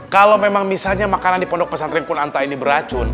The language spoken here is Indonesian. kalau memang misalnya makanan di pondok pesantren pun anta ini beracun